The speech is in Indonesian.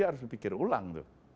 harus dipikir ulang